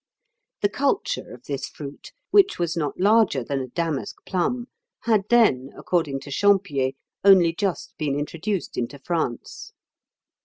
The culture of this fruit, which was not larger than a damask plum, had then, according to Champier, only just been introduced into France.